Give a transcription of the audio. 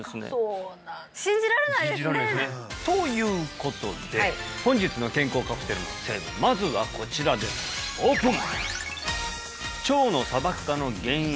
そうなんです信じられないですねということで本日の健康カプセルの成分まずはこちらですオープン！